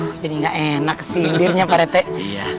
aduh jadi gak enak kesilirnya pak erti